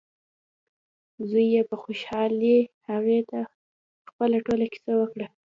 زوی یې په خوشحالۍ هغې ته خپله ټوله کیسه وکړه.